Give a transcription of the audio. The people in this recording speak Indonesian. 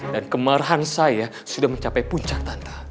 dan kemarahan saya sudah mencapai puncak tante